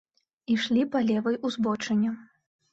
Ішлі па левай узбочыне.